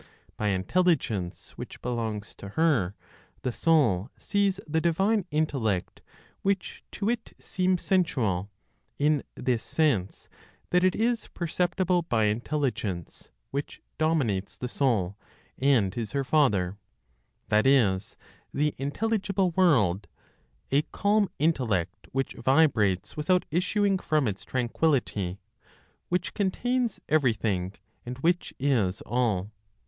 By intelligence (which belongs to her), the soul sees the divine Intellect, which to it seems sensual, in this sense that it is perceptible by intelligence, which dominates the soul, and is her father; that is, the intelligible world, a calm intellect which vibrates without issuing from its tranquility, which contains everything, and which is all.